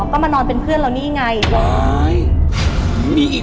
ก็มานอนเป็นเพื่อนเรานี่ไงว้าย